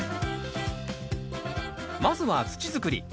まずは土づくり。